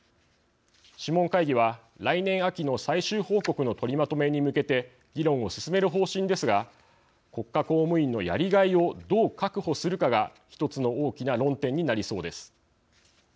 諮問会議は、来年秋の最終報告の取りまとめに向けて議論を進める方針ですが国家公務員のやりがいをどう確保するかが１つの大きな論点になりそうです。